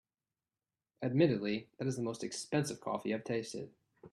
Admittedly, that is the most expensive coffee I’ve tasted.